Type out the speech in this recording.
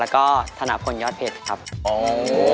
โอ้โฮทั้งทั้งสามคน